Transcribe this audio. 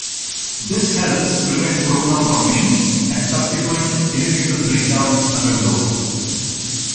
This helps prevent corona formation and subsequent electrical breakdown under load.